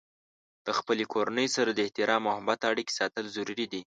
د خپلې کورنۍ سره د احترام او محبت اړیکې ساتل ضروري دي.